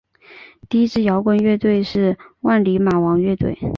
第一支摇滚乐队是万李马王乐队。